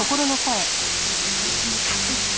今のうちに隠して